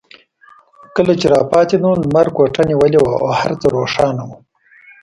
کله چې راپاڅېدم لمر کوټه نیولې وه او هر څه روښانه وو.